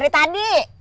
atau anders juga sih